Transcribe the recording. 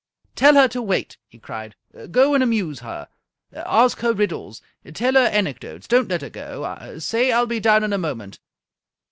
"Tell her to wait!" he cried. "Go and amuse her. Ask her riddles! Tell her anecdotes! Don't let her go. Say I'll be down in a moment.